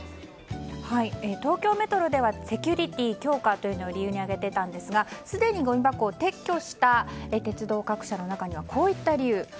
東京メトロではセキュリティー強化を理由に挙げていたんですがすでにごみ箱を撤去した鉄道各社の中にはこういった理由。